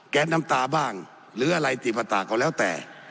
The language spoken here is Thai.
แก๊สน้ำตาบ้างหรืออะไรติปตากันแล้วแต่